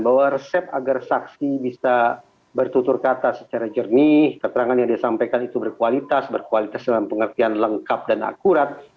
bahwa resep agar saksi bisa bertutur kata secara jernih keterangan yang disampaikan itu berkualitas berkualitas dalam pengertian lengkap dan akurat